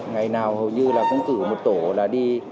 ngày nào hầu như là cũng cử một tổ là đi